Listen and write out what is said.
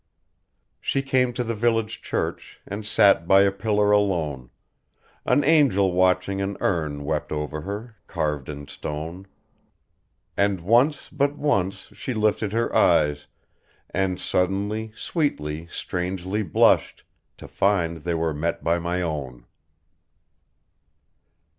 She came to the village church, And sat by a pillar alone; An angel watching an urn Wept over her, carved in stone: And once, but once, she lifted her eyes, And suddenly, sweetly, strangely blushed, To find they were met by my own